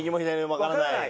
わからない。